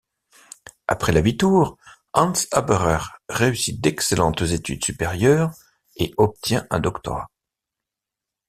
Après l'abitur, Hanns Haberer réussit d'excellentes études supérieures et obtient un doctorat.